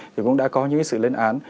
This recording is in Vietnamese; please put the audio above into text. thì cũng đã có những cái sự lên án